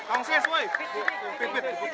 kepada bapak joko widodo